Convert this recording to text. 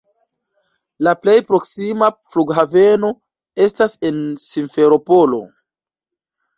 La plej proksima flughaveno estas en Simferopolo.